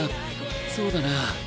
そうだな。